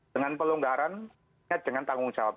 dengan pelonggaran dengan tanggung jawab